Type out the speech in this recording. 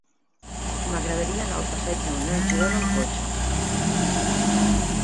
M'agradaria anar al passeig de Manuel Girona amb cotxe.